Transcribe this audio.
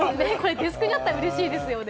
デスクにあったらうれしいですよね。